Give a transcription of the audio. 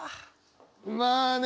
まあね